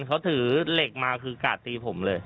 เขาถือเหล็กมาคือกาดตีผมเลย